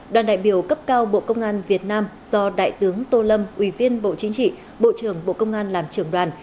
đoàn đại biểu cấp cao bộ công an việt nam do đại tướng tô lâm ủy viên bộ chính trị bộ trưởng bộ công an làm trưởng đoàn